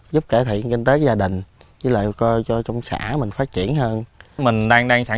giúp cải thiện kinh tế gia đình với lại cơ cho trong xã mình phát triển hơn mình đang sản